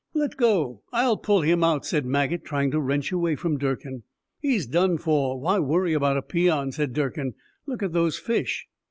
"Let go, I'll pull him out," said Maget, trying to wrench away from Durkin. "He's done for. Why worry about a peon?" said Durkin. "Look at those fish!"